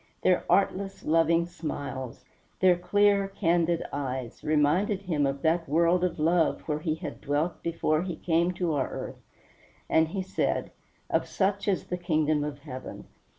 Their artless, loving smiles, their clear, candid eyes, reminded him of that world of love where he had dwelt before he came to our earth, and he said, "Of such is the kingdom of heaven."